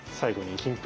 金粉？